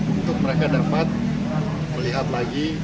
untuk mereka dapat melihat lagi